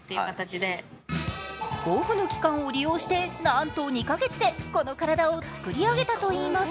オフの期間を利用してなんと２か月でこの体を作り上げたといいます。